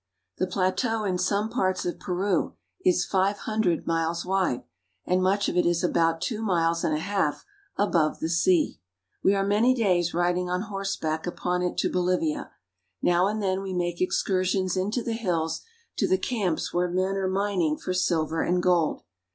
The plateau in some parts of Peru is five hundred miles wide, and much of it is about two miles and a half above the sea. We are many days riding on horseback upon it to Bo livia. Now and then we make excursions into the hills, to the camps where men are mining for silver and gold.